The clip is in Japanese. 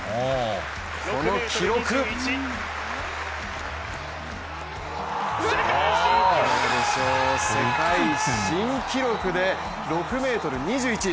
この記録世界新記録で６ｍ２１。